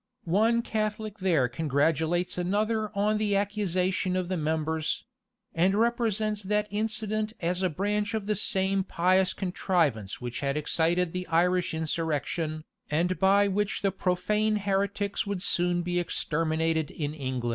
One Catholic there congratulates another on the accusation of the members; and represents that incident as a branch of the same pious contrivance which had excited the Irish insurrection, and by which the profane heretics would soon be exterminated in England.